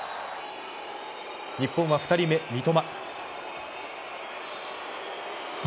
日本は２人目、三笘。